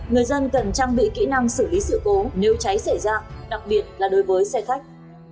người dân cần trang bị kỹ năng xử lý sự cố nếu cháy xảy ra đặc biệt là đối với xe khách